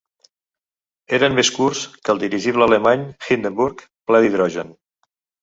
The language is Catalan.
Eren més curts que el dirigible alemany "Hindenburg", ple d'hidrogen.